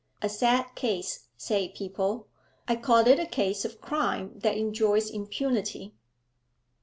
A sad case, say people. I call it a case of crime that enjoys impunity.'